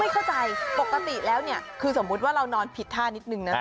เข้าใจปกติแล้วเนี่ยคือสมมุติว่าเรานอนผิดท่านิดนึงนะ